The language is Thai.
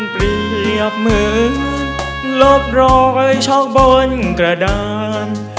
เปรียบเหมือนลบรอยช็อกบนกระดาน